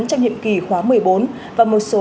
trong nhiệm kỳ khóa một mươi bốn và một số